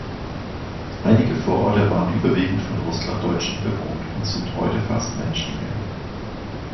Einige Vororte waren überwiegend von Russlanddeutschen bewohnt und sind heute fast menschenleer.